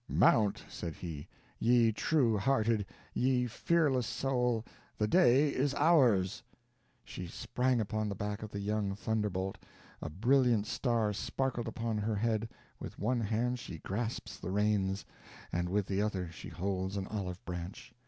"Mount," said he, "ye true hearted, ye fearless soul the day is ours." She sprang upon the back of the young thunder bolt, a brilliant star sparkles upon her head, with one hand she grasps the reins, and with the other she holds an olive branch.